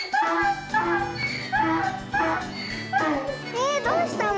えどうしたの？